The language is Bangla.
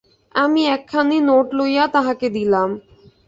আমি একখানি নোট লইয়া তাহাকে দিলাম।